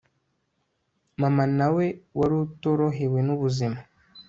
mama nawe wari utorohowe nubuzima